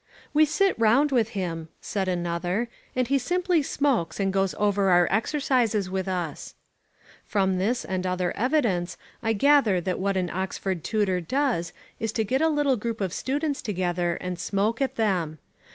"We sit round with him," said another, "and he simply smokes and goes over our exercises with us." From this and other evidence I gather that what an Oxford tutor does is to get a little group of students together and smoke at them.